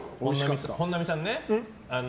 本並さんね。